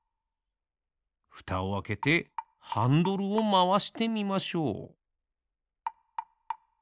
ふたをあけてハンドルをまわしてみましょう。